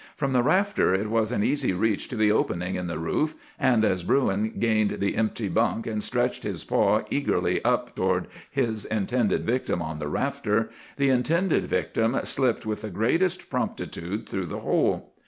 From the rafter it was an easy reach to the opening in the roof, and as Bruin gained the empty bunk and stretched his paw eagerly up toward his intended victim on the rafter, the intended victim slipped with the greatest promptitude through the hole.